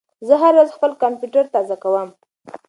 زه هره ورځ خپل کمپیوټر تازه کوم.